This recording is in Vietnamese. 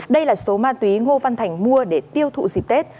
đây là số ma túy ngô văn thành mua để tiêu thụ dịp tết